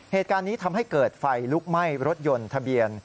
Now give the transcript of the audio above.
เหตุการณ์นี้ทำให้เกิดไฟลุกไหม้รถยนต์ทะเบียน